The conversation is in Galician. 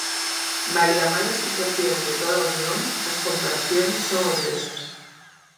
Malia a mala situación de toda a Unión, as comparacións son odiosas.